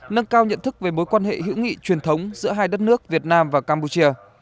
nâng cao nhận thức về mối quan hệ hữu nghị truyền thống giữa hai đất nước việt nam và campuchia